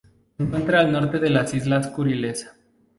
Se encuentra al norte de las Islas Kuriles.